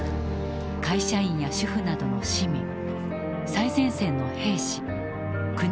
会社員や主婦などの市民最前線の兵士国の指導者たち。